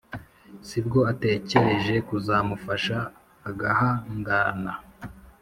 sibwo atekereje kuzamufasha agahangana